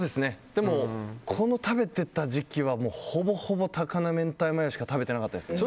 でも、この食べてた時期はほぼほぼ高菜明太マヨしか食べていなかったですね。